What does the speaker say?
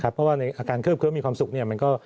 เพราะว่าอาการเคิบเคิบมีความสุข